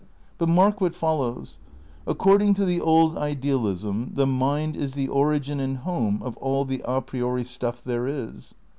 But mark what follows. According to the Old Ideal ism the mind is the origin and home of all the a priori stuff there is.